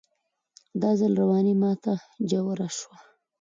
دا ځل رواني ماته ژوره شوه